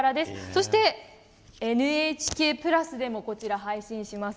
そして「ＮＨＫプラス」でも配信します。